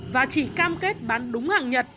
và chỉ cam kết bán đúng hàng nhật